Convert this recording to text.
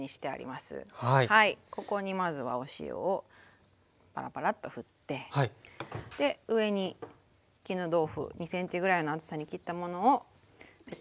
ここにまずはお塩をパラパラッとふって上に絹豆腐２ｃｍぐらいの厚さに切ったものをペタペタとのっけます。